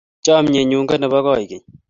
chamiet nyun ko nebo kaikeng'